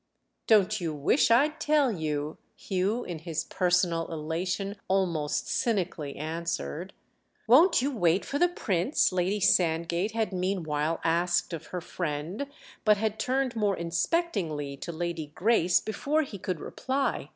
"Don't you wish I'd tell you?" Hugh, in his personal elation, almost cynically answered. "Won't you wait for the Prince?" Lady Sandgate had meanwhile asked of her friend; but had turned more inspectingly to Lady Grace before he could reply.